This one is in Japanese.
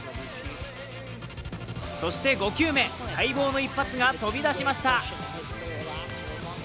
そして５球目、待望の一発が飛び出しました。